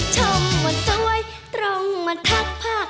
ชมมันสวยตรงมันทักภาค